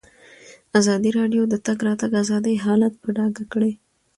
ازادي راډیو د د تګ راتګ ازادي حالت په ډاګه کړی.